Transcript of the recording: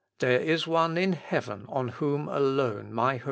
There is One in heaven on whom alone my hope depends."